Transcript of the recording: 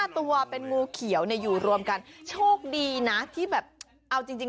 ๕ตัวเป็นงูเขียวอยู่รวมกันโชคดีนะที่แบบเอาจริง